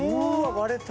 割れた。